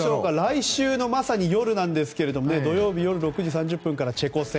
来週のまさに夜なんですが土曜日、夜６時３０分からチェコ戦。